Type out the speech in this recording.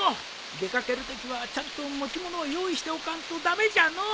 出掛けるときはちゃんと持ち物を用意しておかんと駄目じゃのう。